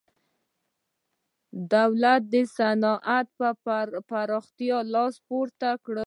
دولت د صنعت پر پراختیا لاس پورې کړ.